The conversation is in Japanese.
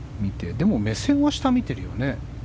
でも目線は下を見てるよね。